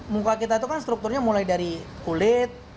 muka kita itu kan strukturnya mulai dari kulit